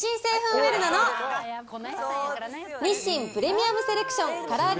ウェルナの日清プレミアムセレクションからあげ